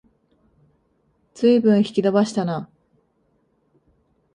ずいぶん引き延ばしたな